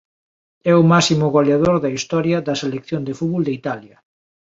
É o máximo goleador da historia da Selección de fútbol de Italia.